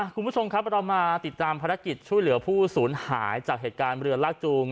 คุณผู้ชมครับเรามาติดตามภารกิจช่วยเหลือผู้สูญหายจากเหตุการณ์เรือลากจูง